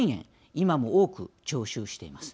今も多く徴収しています。